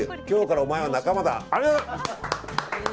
今日からお前は仲間だ。